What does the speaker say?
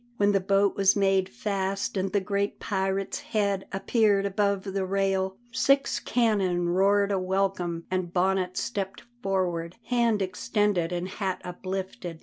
When the boat was made fast and the great pirate's head appeared above the rail, six cannon roared a welcome and Bonnet stepped forward, hand extended and hat uplifted.